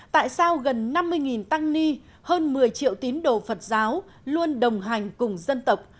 tại sao gần năm mươi tăng ni hơn một mươi triệu tín đồ phật giáo luôn đồng hành cùng dân tộc